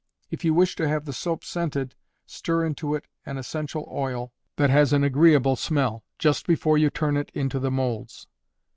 If you wish to have the soap scented, stir into it an essential oil that has an agreeable smell, just before you turn it into the molds.